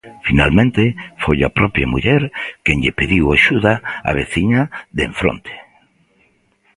Finalmente, foi a propia muller quen lle pediu axuda á veciña de en fronte.